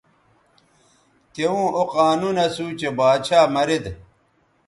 توؤں او قانون اسو چہء باچھا مرید